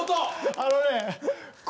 あのね。